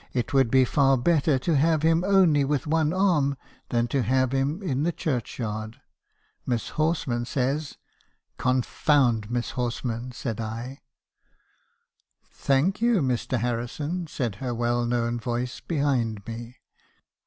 it would be far better to have him only with one arm than to have him in the church yard, Miss Horsman says' —"' Confound Miss Horsman !' said I — "'Thank you, Mr. Harrison,' said her well known voice behind me.